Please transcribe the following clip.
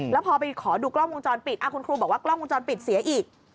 แล้วพอไปขอดูกล้องวงจรปิดคุณครูบอกว่ากล้องวงจรปิดเสียอีก